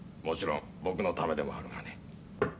もちろん僕のためでもあるがね。